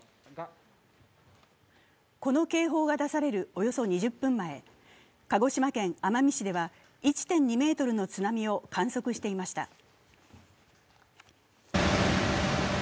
この警報が出されるおよそ２０分前、鹿児島県奄美市では１．２ｍの津波を観測していました。